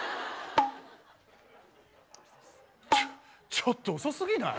ちょっと遅すぎない？